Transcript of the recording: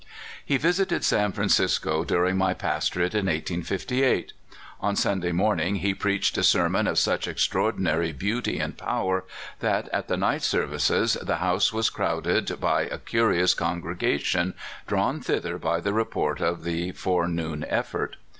He visited San Francisco during my pastorate in 1858. On Sunday morning he preached a ser mon of such extraordinary beauty and power that at the night service the house was crowded by a curious congregation, drawn thither by the report of the forenoon effort.